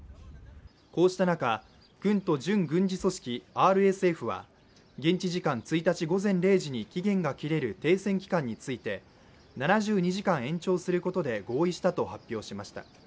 こうした中、軍と準軍事組織ＲＳＦは現地時間１日午前０時に期限が切れる停戦期間について７２時間延長することで合意したと発表しました。